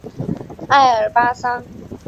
爱尔巴桑。